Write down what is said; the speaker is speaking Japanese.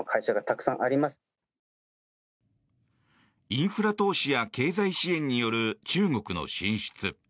インフラ投資や経済支援による中国の進出。